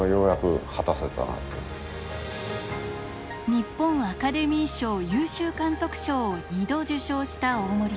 日本アカデミー賞優秀監督賞を２度受賞した大森さん。